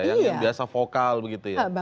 yang biasa vokal begitu ya